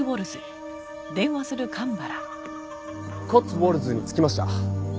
コッツウォルズに着きました。